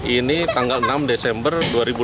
ini tanggal enam desember